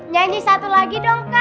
nyanyi satu lagi dong kak